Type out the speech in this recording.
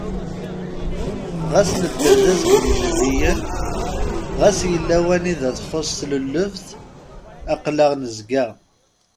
Ɣas nedder d azgen-ilelliyen, ɣas yella wanida txuṣ tlulebt, aql-aɣ nezga!